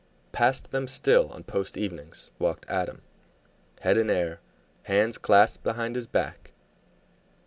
Past them still on post evenings walked Adam, head in air, hands clasped behind his back.